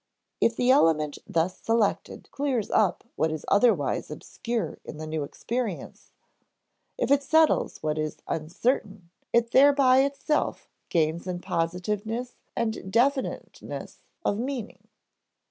If the element thus selected clears up what is otherwise obscure in the new experience, if it settles what is uncertain, it thereby itself gains in positiveness and definiteness of meaning.